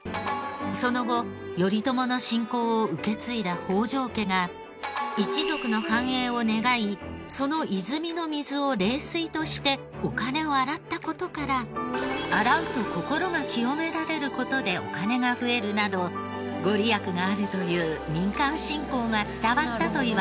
その後頼朝の信仰を受け継いだ北条家が一族の繁栄を願いその泉の水を霊水としてお金を洗った事から「洗うと心が清められる事でお金が増える」など御利益があるという民間信仰が伝わったといわれています。